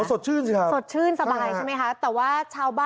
สดชื่นที่ครับ